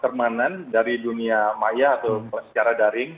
permanen dari dunia maya atau secara daring